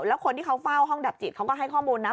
แล้วคนที่เขาเฝ้าห้องดับจิตเขาก็ให้ข้อมูลนะ